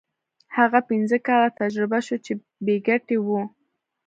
هغه پنځه کاله تجربه شو چې بې ګټې وو.